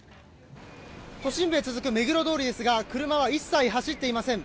都心部へ続く目黒通りですが車は一切走っていません。